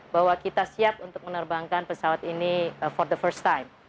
bahwa kita siap untuk menerbangkan pesawat ini for the first time